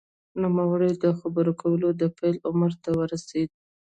نوموړی د خبرو کولو د پیل عمر ته ورسېد